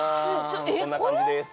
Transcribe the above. こんな感じです。